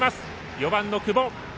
４番の久保。